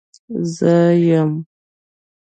زه يم.